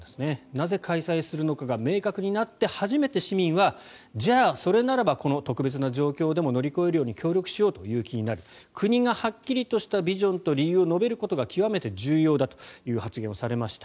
なぜ開催するのかが明確になって初めて市民はじゃあ、それならばこの特別な状況でも乗り越えるように協力しようという気になる国がはっきりとしたビジョンと理由を述べることが極めて重要だという発言をされました。